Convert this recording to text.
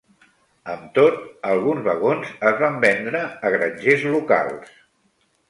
Amb tot, alguns vagons es van vendre a grangers locals.